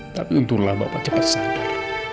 tapi untunglah bapak cepat sadar